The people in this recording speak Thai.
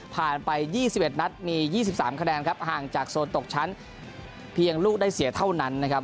ผ่านไป๒๑นัดมี๒๓คะแนนครับห่างจากโซนตกชั้นเพียงลูกได้เสียเท่านั้นนะครับ